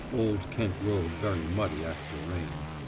(Old Kent Road very muddy after rain.